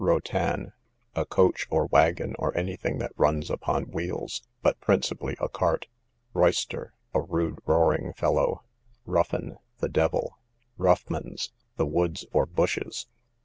Rotan, a coach, or wagon, or any thing that runs upon wheels, but principally a cart. Royster, a rude roaring fellow. Ruffin, the devil. Ruffmans, the woods or bushes.